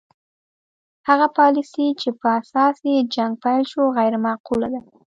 هغه پالیسي چې په اساس یې جنګ پیل شو غیر معقوله ده.